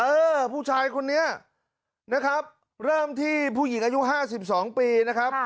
เออผู้ชายคนนี้นะครับเริ่มที่ผู้หญิงอายุ๕๒ปีนะครับ